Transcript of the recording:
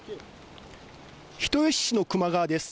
人吉市の球磨川です。